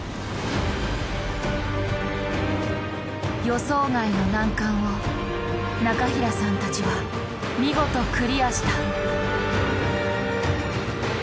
予想外の難関を中平さんたちは見事クリアした。